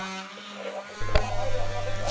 これは決してパワハラではありませんよ。